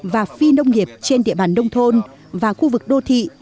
và phi nông nghiệp trên địa bàn đông thôn và khu vực đô thị